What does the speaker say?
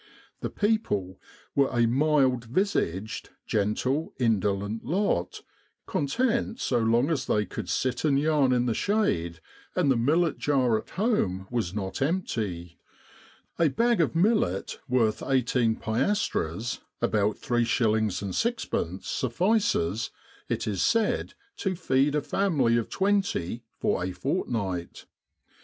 The people were a mild visaged, gentle, indolent lot, content so long as they could sit and yarn in the shade, and the millet jar at home was not empty a bag of millet worth 18 piastres H3 With the R.A.M.C. in Egypt (about 35. 6d.) suffices, it is said, to feed a family of twenty for a fortnight.